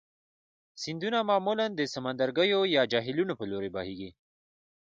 سیندونه معمولا د سمندرګیو یا جهیلونو په لوري بهیږي.